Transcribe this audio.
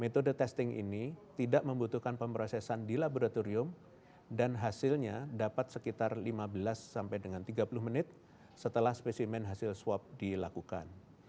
metode testing ini tidak membutuhkan pemrosesan di laboratorium dan hasilnya dapat sekitar lima belas sampai dengan tiga puluh menit setelah spesimen hasil swab dilakukan